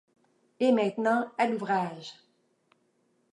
Et maintenant à l’ouvrage.